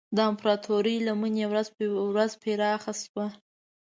د امپراتورۍ لمن یې ورځ په ورځ پراخه شوه.